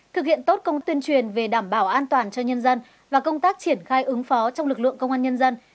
thực hiện tốt công tuyên truyền về đảm bảo an toàn cho nhân dân và công tác triển khai ứng phó trong lực lượng công an nhân dân